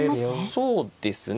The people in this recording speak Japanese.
そうですね。